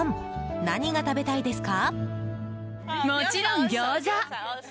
何が食べたいですか？